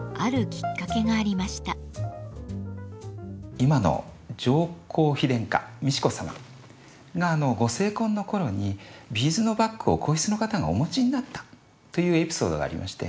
今の上皇妃殿下美智子様がご成婚の頃にビーズのバッグを皇室の方がお持ちになったというエピソードがありまして